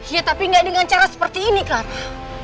iya tapi gak dengan cara seperti ini clara